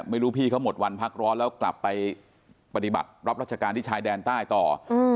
ไม่รู้พี่เขาหมดวันพักร้อนแล้วกลับไปปฏิบัติรับราชการที่ชายแดนใต้ต่อ